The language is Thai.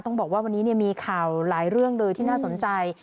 ต้องบอกว่าวันนี้มีข่าวหลายเรื่องเลยที่น่าสนใจ